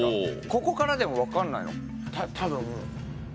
ここからでも分かんないの。